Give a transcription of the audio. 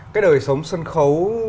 cái đời sống sân khấu